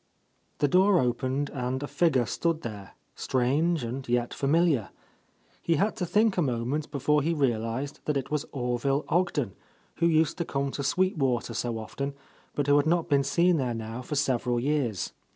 The door opened, and a figure stood there, strange and yet familiar, — he had to think a moment before he realized that it was Orville Ogden, who used to come to Sweet Water so often, but who had not been seen there now for several years.